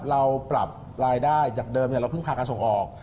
เราปรับรายได้จากเดิมเราเพิ่งพาการส่งออก